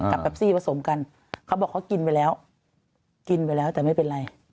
แปปซี่ผสมกันเขาบอกเขากินไปแล้วกินไปแล้วแต่ไม่เป็นไร